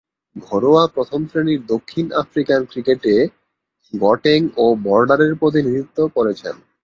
ঘরোয়া প্রথম-শ্রেণীর দক্ষিণ আফ্রিকান ক্রিকেটে গটেং ও বর্ডারের প্রতিনিধিত্ব করেছেন।